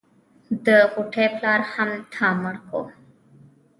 د غوټۍ پلار هم تا مړ کو.